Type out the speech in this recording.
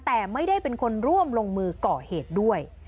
แต่ไม่ได้เป็นคนร่วมลงมือก่อเหตุด้วย